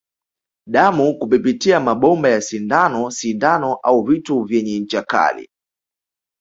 Damu kupipitia mabomba ya sindano sindano au vitu vyenye ncha kali